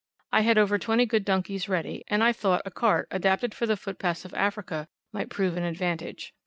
I had over twenty good donkeys ready, and I thought a cart adapted for the footpaths of Africa might prove an advantage.